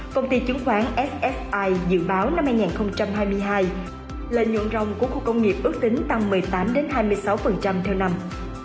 công ty chứng khoán ssi dự báo năm hai nghìn hai mươi hai lợi nhuận rồng của khu công nghiệp ước tính tăng một mươi tám hai mươi sáu theo năm